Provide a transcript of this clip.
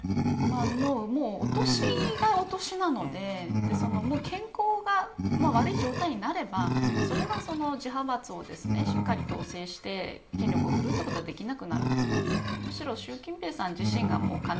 もう、お年がお年なので健康が悪い状態になればそれは、自派閥をしっかり統制して権力を振るうことはできなくなると思います。